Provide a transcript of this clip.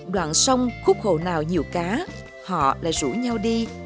đoạn sông khúc hồ nào nhiều cá họ lại rủ nhau đi